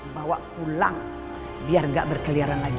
bawa pulang biar nggak berkeliaran lagi